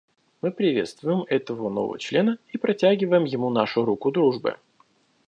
Мы приветствуем этого нового члена и протягиваем ему нашу руку дружбы.